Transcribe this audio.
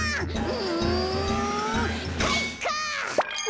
うんかいか！